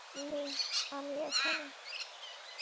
মে, আমি এখানে।